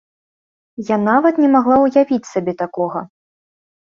Я нават не магла ўявіць сабе такога.